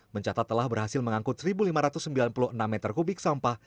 mencatat telah berhasil mengangkut satu lima ratus sembilan puluh enam meter kubik sampah